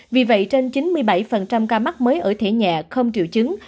vì vậy trên chín mươi bảy ca mắc mới ở thể nhẹ không triệu chứng